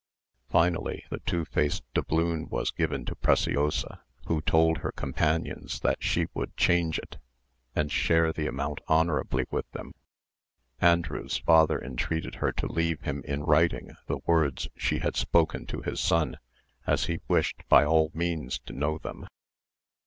Finally, the two faced doubloon was given to Preciosa, who told her companions that she would change it, and share the amount honourably with them. Andrew's father intreated her to leave him in writing the words she had spoken to his son, as he wished by all means to know them.